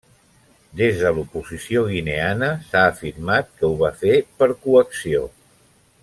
Des de l'oposició guineana s'ha afirmat que ho va fer per coacció.